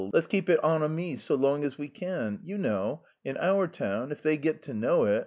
Let's keep it en amis so long as we can. You know, in our town, if they get to know it...